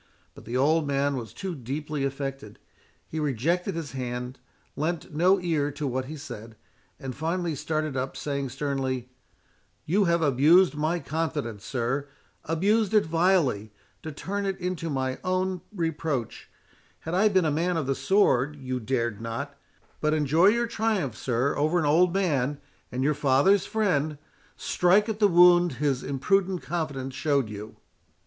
But the old man was too deeply affected—he rejected his hand, lent no ear to what he said, and finally started up, saying sternly, "You have abused my confidence, sir—abused it vilely, to turn it into my own reproach: had I been a man of the sword, you dared not—But enjoy your triumph, sir, over an old man, and your father's friend—strike at the wound his imprudent confidence showed you."